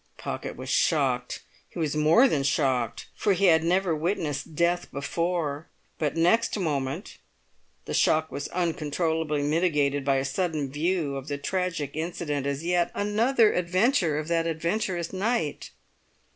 Pocket was shocked; he was more than shocked, for he had never witnessed death before; but next moment the shock was uncontrollably mitigated by a sudden view of the tragic incident as yet another adventure of that adventurous night.